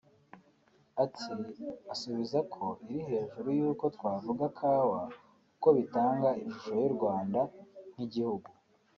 Ati “…Abasubiza ko iri hejuru y’uko twavuga kawa kuko bitanga ishusho y’u Rwanda nk’igihugu